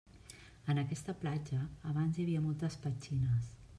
En aquesta platja, abans hi havia moltes petxines.